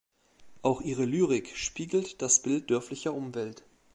Auch ihre Lyrik spiegelt das Bild dörflicher Umwelt.